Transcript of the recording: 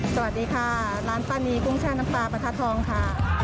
สวัสดีค่ะร้านป้านีกุ้งแช่น้ำปลาประทัดทองค่ะ